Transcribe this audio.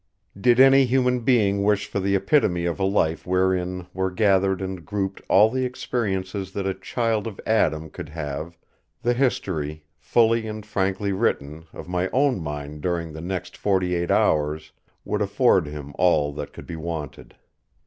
Did any human being wish for the epitome of a life wherein were gathered and grouped all the experiences that a child of Adam could have, the history, fully and frankly written, of my own mind during the next forty eight hours would afford him all that could be wanted.